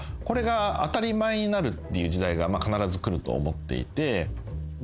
これが当たり前になるっていう時代が必ず来ると思っていて。